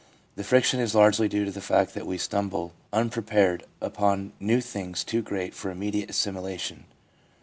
The friction is largely due to the fact that we stumble unprepared upon new things too great for immediate assimilation.